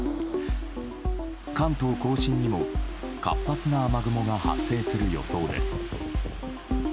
関東・甲信にも活発な雨雲が発生する予想です。